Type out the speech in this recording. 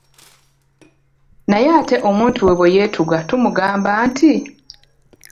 Naye ate omuntu we bwe yeetuga tumugamba nti?